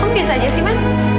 biasa aja sih man